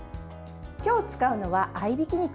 今日使うのは合いびき肉。